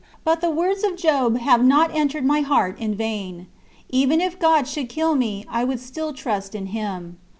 But the words of Job have not entered my heart in vain: 'Even if God should kill me, I would still trust in Him.'